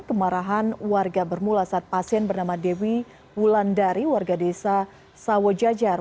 kemarahan warga bermula saat pasien bernama dewi wulandari warga desa sawo jajar